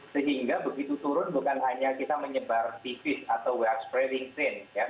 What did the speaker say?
sehingga begitu turun bukan hanya kita menyebar tv atau we are spreading sin